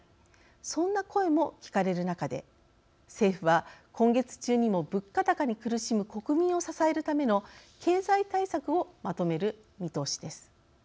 そんな声も聞かれる中で政府は今月中にも物価高に苦しむ国民を支えるための経済対策をまとめる見通しです。